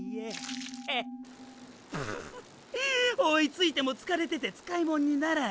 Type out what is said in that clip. ププ追いついても疲れてて使いもんにならん。